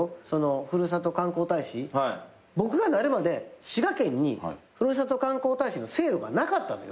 ふるさと観光大使僕がなるまで滋賀県にふるさと観光大使の制度がなかったのよ。